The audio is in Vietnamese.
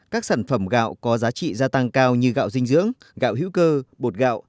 các sản phẩm gạo có giá trị gia tăng cao như gạo dinh dưỡng gạo hữu cơ bột gạo